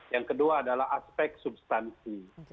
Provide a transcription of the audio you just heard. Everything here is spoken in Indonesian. yang kedua adalah aspek substansi